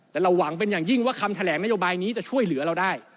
แต่เราหวังเป็นอย่างยิ่งว่าคำแถลงนโยบายนี้จะช่วยเหลือเราได้